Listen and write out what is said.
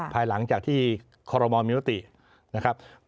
ภายหลังจากที่คอรมอลมีมตินะครับ